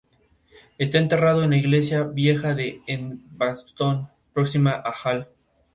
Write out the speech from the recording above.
Está enterrado en la iglesia vieja de "Edgbaston", próxima a "hall".